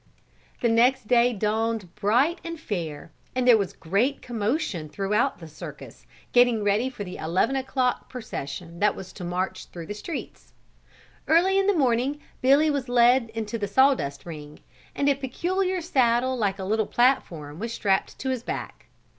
The next day dawned bright and fair and there was great commotion throughout the circus, getting ready for the eleven o'clock procession that was to march through the streets. Early in the morning, Billy was led into the sawdust ring, and a peculiar saddle like a little platform was strapped to his back.